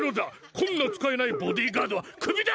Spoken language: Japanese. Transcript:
こんな使えないボディーガードはクビだ！